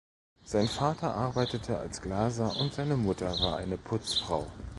Sein Vater arbeitete als Glaser und seine Mutter war eine Putzfrau.